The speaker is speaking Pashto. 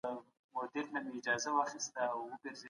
ما تېره اونۍ په انټرنیټ کي د ژبې یو سند واخیستی.